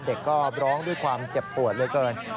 เด็กก็ร้องด้วยความเจ็บปวดเหลือเกิน